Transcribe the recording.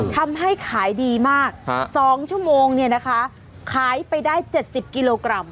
ทำให้ขายดีมาก๒ชั่วโมงเนี่ยนะคะขายไปได้๗๐กิโลกรัม